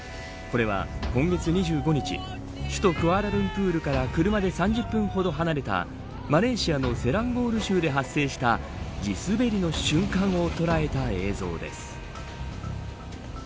これは、今月２５日首都クアラルンプールから車で３０分ほど離れたマレーシアのセランゴール州で発生した地滑りの瞬間を捉えた映像です。